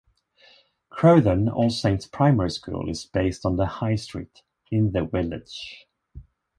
Croughton All Saints Primary School is based on the High Street in the Village.